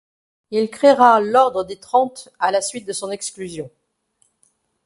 Il créera l’Ordre des Trente à la suite de son exclusion.